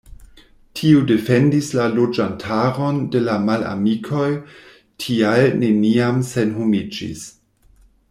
Tio defendis la loĝantaron de la malamikoj, tial neniam senhomiĝis.